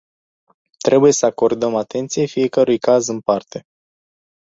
Trebuie să acordăm atenție fiecărui caz în parte.